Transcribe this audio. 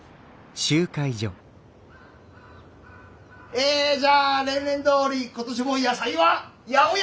えじゃあ例年どおり今年も野菜は八百屋！